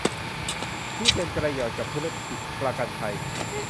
ที่เป็นประโยชน์กับธุรกิจประกันภัย